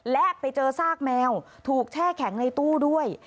และไปเจอซากแมวถูกแช่แข็งในตู้ด้วย